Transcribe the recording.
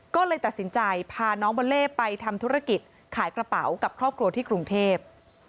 ก็เลยตัดสินใจพาน้องบัลเล่ไปทำธุรกิจขายกระเป๋ากับครอบครัวที่กรุงเทพ